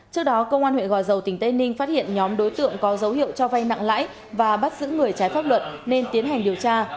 trước đó công an huyện gò dầu tỉnh tây ninh phát hiện nhóm đối tượng có dấu hiệu cho vay nặng lãi và bắt giữ người trái pháp luật nên tiến hành điều tra